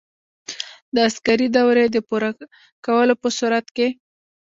د عسکري دورې د پوره کولو په صورت کې.